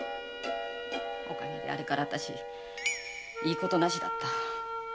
お陰であれから私いいことなしだった。